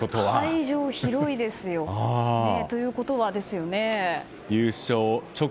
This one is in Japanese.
会場、広いですよ。ということはですよね。